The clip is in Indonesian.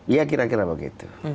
ya kira kira begitu